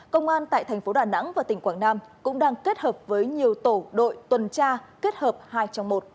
công an tại thành phố đà nẵng và tỉnh quảng nam cũng đang kết hợp với nhiều tổ đội tuần tra kết hợp hai trong một